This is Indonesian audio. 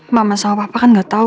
mama sama papa kan gak tau